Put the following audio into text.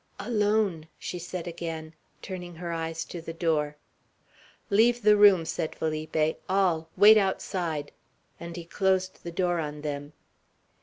"Alone!" she said again, turning her eyes to the door. "Leave the room," said Felipe; "all wait outside;" and he closed the door on them.